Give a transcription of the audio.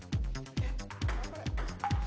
頑張れ！